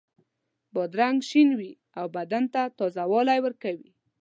بادرنګ شین وي او بدن ته تازه والی ورکوي.